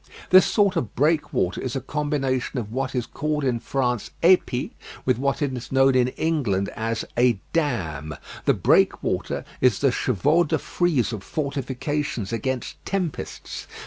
This sort of breakwater is a combination of what is called in France épi with what is known in England as "a dam." The breakwater is the chevaux de frise of fortifications against tempests.